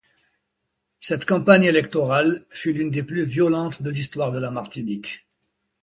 Cette campagne électorale fut l'une des plus violentes de l'histoire de la Martinique.